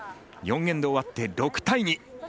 ４エンド終わって６対２。